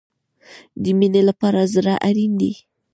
د مینې لپاره زړه اړین دی